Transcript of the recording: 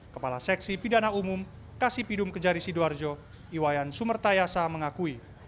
kepala seksi pidana umum kasipidum kejari sidoarjo iwayan sumertayasa mengakui